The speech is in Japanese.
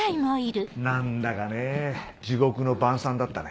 何だかね地獄の晩餐だったね。